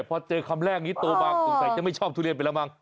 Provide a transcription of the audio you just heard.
พอเจอคำแรกนี้โตมาสงสัยจะไม่ชอบทุเรียนไปแล้วมั้ง